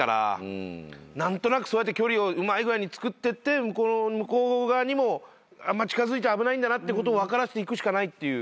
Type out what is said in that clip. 何となく距離をうまい具合につくってって向こう側にも近づいちゃ危ないんだなってことを分からせていくしかないっていう。